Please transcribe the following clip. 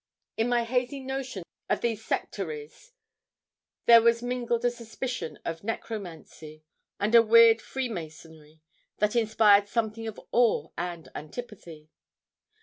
In my hazy notions of these sectaries there was mingled a suspicion of necromancy, and a weird freemasonry, that inspired something of awe and antipathy.